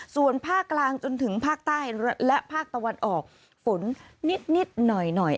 ส่วนภาคกลางจนถึงภาคใต้และภาคตะวันออกฝนนิดหน่อย